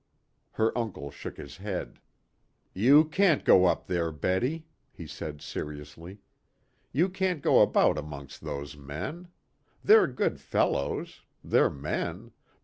Her uncle shook his head. "You can't go up there, Betty," he said seriously. "You can't go about amongst those men. They're good fellows. They're men.